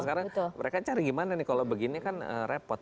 karena mereka cari gimana nih kalau begini kan repot